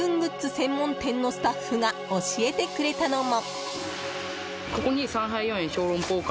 専門店のスタッフが教えてくれたのも。